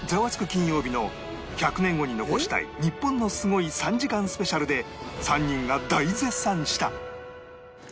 金曜日』の１００年後に残したい日本のスゴい３時間スペシャルで３人が大絶賛した